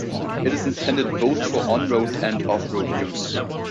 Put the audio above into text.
It is intended both for on-road and off-road use.